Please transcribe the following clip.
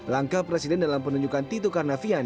langkah presiden dalam penunjukan tito karnavian